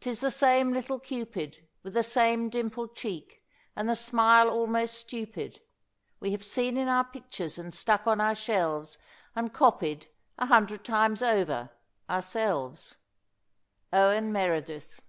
'Tis the same little Cupid, With the same dimpled cheek and the smile almost stupid, We have seen in our pictures and stuck on our shelves, And copied, a hundred times over, ourselves." OWEN MEREDITH.